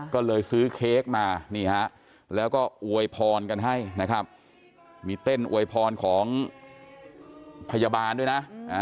ก็เลยซื้อเค้กมานี่ฮะแล้วก็อวยพรกันให้นะครับมีเต้นอวยพรของพยาบาลด้วยนะ